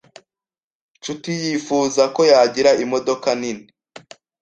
Nshuti yifuza ko yagira imodoka nini.